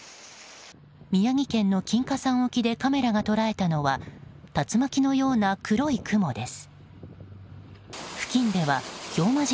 宮城県の金華山沖でカメラが捉えたのは竜巻のような黒い雲です。